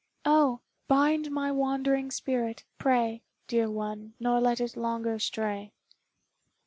Oh, bind my wandering spirit, pray, Dear one, nor let it longer stray."